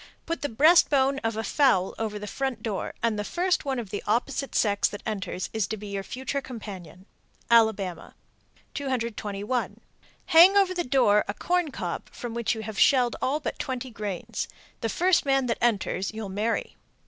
Put the breast bone of a fowl over the front door, and the first one of the opposite sex that enters is to be your future companion. Alabama. 221. Hang over the door a corn cob from which you have shelled all but twenty grains. The first man that enters you'll marry.